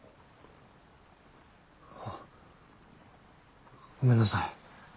あごめんなさい。